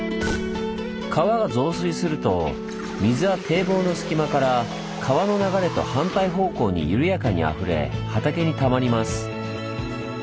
川が増水すると水は堤防の隙間から川の流れと反対方向に緩やかにあふれ畑にたまります。